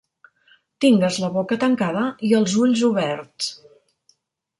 Tingues la boca tancada i els ulls oberts.